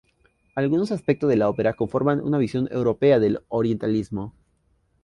Algunos aspectos de la ópera conforman una visión europea del orientalismo.